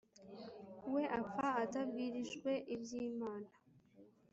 we apfa atabwirijwe ibyi mana